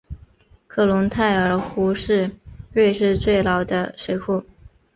克隆泰尔湖是瑞士最老的水库。